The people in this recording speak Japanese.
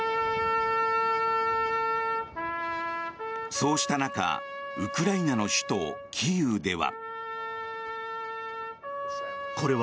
そうした中ウクライナの首都キーウでは。